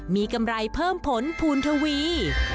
มีกำไรเพิ่มผลภูณทวี